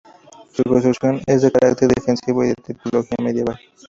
Su construcción es de carácter defensivo y de tipología medieval.